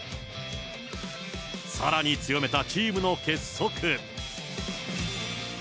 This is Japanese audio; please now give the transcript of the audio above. さらに強めたチームの結束。